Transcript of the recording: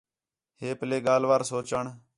ہے پَلّے ڳالھ وار سوچݨ